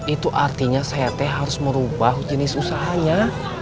itu artinya ct harus merubah jenis usahanya